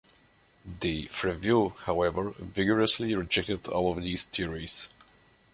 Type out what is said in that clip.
De Freville however vigorously rejected all of these theories.